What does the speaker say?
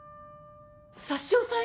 差し押さえ！？